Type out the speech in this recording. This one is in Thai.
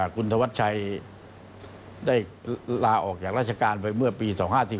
คุณธวัชชัยได้ลาออกจากราชการไปเมื่อปี๒๕๔